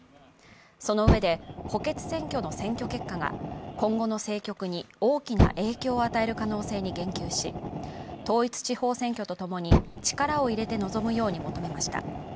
そのうえで、補欠選挙の選挙結果が今後の政局に大きな影響を与える可能性に言及し、統一地方選挙と共に力を入れて臨むように求めました。